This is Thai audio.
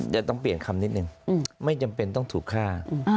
จะต้องเปลี่ยนคำนิดนึงไม่จำเป็นต้องถูกฆ่า